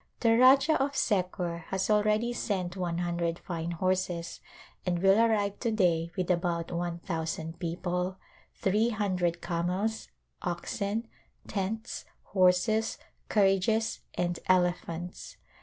The Rajah of Secor has already sent one hundred fine horses and will arrive to day with about one thousand people, three hundred camels, oxen, tents, horses, carriages and elephants.